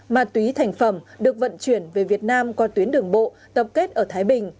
ma túy thành phẩm được vận chuyển về việt nam qua tuyến đường bộ tập kết ở thái bình